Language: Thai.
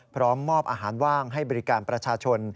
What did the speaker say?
พร้อมมอบอาหารว่างให้บริการประชาชน